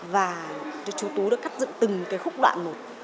và chú tú đã cắt dựng từng cái khúc đoạn một